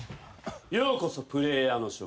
ようこそプレーヤーの諸君。